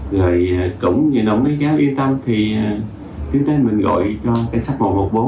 rồi cũng như nóng mấy cháu yên tâm thì tiến tới mình gọi cho căn sách một trăm một mươi bốn